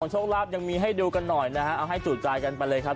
โชคลาภยังมีให้ดูกันหน่อยนะฮะเอาให้จูดใจกันไปเลยครับ